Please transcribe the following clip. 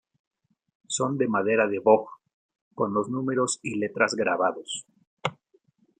Son de madera de boj, con los números y letras grabados.